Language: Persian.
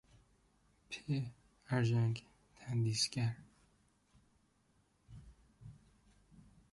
پ. ارژنگ... تندیسگر